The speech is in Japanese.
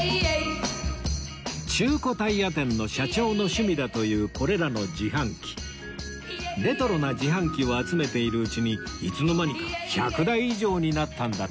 中古タイヤ店の社長の趣味だというこれらの自販機レトロな自販機を集めているうちにいつの間にか１００台以上になったんだとか